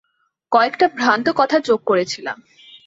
কয়েকটা ভ্রান্ত কথা যোগ করেছিলাম।